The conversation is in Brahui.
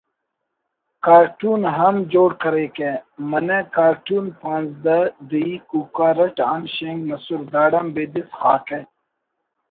کارٹون ہم جوڑ کریکہ منہ کارٹون پانزدئی کوکار اٹ ہم شینک مسر داڑان بیدس خاکہ